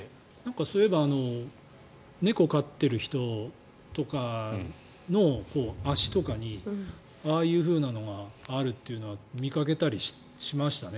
そういえば猫を飼っている人とかの足とかにああいうふうなのがあるってのは見かけたりしましたね。